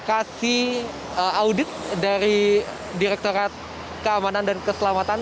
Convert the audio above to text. kasih audit dari direkturat keamanan dan keselamatan